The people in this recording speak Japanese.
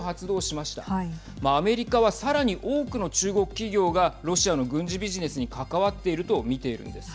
まあ、アメリカはさらに多くの中国企業がロシアの軍事ビジネスに関わっていると見ているんです。